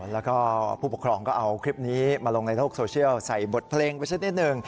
แล้วก็ผู้ปกครองก็เอาคลิปนี้มาลงในโลกโซเชียลใส่บทเพลงไปสักนิดหนึ่ง